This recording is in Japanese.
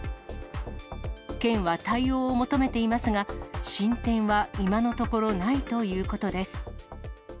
県は対応を求めていますが、進展は今のところないということです。